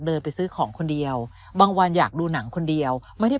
เดินไปซื้อของคนเดียวบางวันอยากดูหนังคนเดียวไม่ได้